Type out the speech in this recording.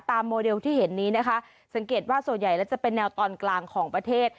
โมเดลที่เห็นนี้นะคะสังเกตว่าส่วนใหญ่แล้วจะเป็นแนวตอนกลางของประเทศ